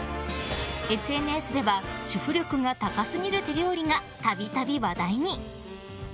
ＳＮＳでは主婦力が高すぎる手料理が、度々話題に！